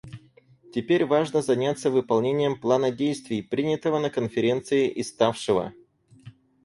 Теперь важно заняться выполнением плана действий, принятого на Конференции и ставшего.